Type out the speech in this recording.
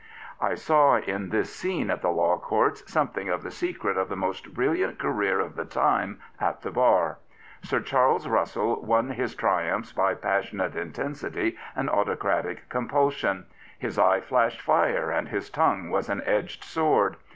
I saw in this scene at the Law Courts something of the secret of the most brilliant career of the time at the bar. Sir Charles Russell won his triumphs by passionate intensity and autocratic compulsion. His eye flashed fire and his tongue was an edged sword.